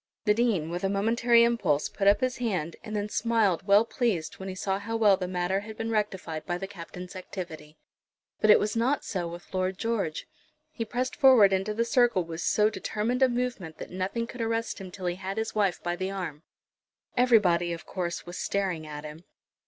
The Dean, with a momentary impulse, put up his hand, and then smiled well pleased when he saw how well the matter had been rectified by the Captain's activity. But it was not so with Lord George. He pressed forward into the circle with so determined a movement that nothing could arrest him till he had his wife by the arm. Everybody, of course, was staring at him.